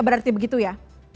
berarti begitu ya